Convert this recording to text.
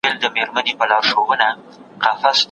داستاني اثر د انسان د ژوند هنداره ده.